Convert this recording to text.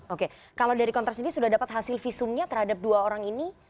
oke kalau dari kontras sendiri sudah dapat hasil visumnya terhadap dua orang ini